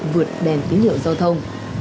vượt đèn tín hiệu giao thông